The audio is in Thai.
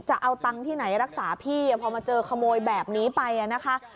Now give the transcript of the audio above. จะเอาตังค์ที่ไหนรักษาพี่พอมาเจอขโมยแบบนี้ไปนะคะ